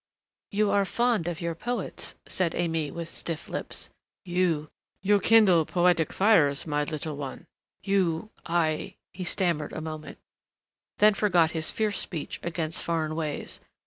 '" "You are fond of your poets," said Aimée with stiff lips. "You you kindle poetic fires, my little one. You I " He stammered a moment, then forgot his fierce speech against foreign ways.